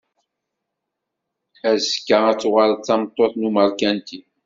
Azekka ad tuɣaleḍ d tameṭṭut n umarkanti.